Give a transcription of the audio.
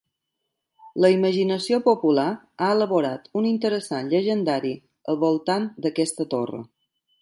La imaginació popular ha elaborat un interessant llegendari al voltant d'aquesta torre.